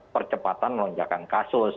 percepatan lonjakan kasus